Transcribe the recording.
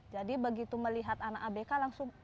jadi begitu melihat anak abk langsung